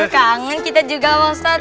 kangen kita juga ustaz